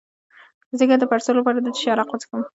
د ځیګر د پړسوب لپاره د څه شي عرق وڅښم؟